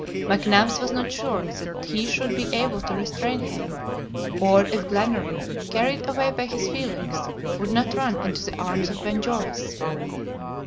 McNabbs was not sure that he should be able to restrain him, or if Glenarvan, carried away by his feelings, would not run into the arms of Ben Joyce.